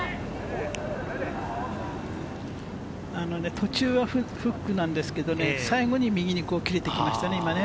途中はフックなんですけれども、最後に右に切れてきましたね、今ね。